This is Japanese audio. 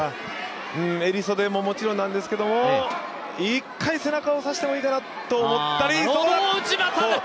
襟袖ももちろんなんですけど一回背中を刺してもいいかなと思ったり。